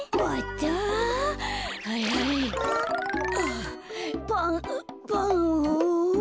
あパンパン。